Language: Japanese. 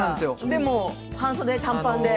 でも半袖、短パンで？